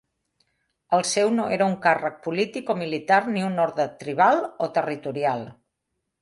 El seu no era un càrrec polític o militar, ni un ordre tribal o territorial.